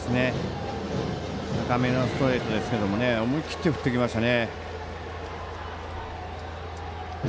高めのストレートですが思い切って振っていきましたね。